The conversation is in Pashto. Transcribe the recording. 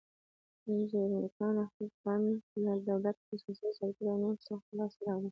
انجوګانې خپل فنډ له دولت، خصوصي سکتور او نورو څخه لاس ته راوړي.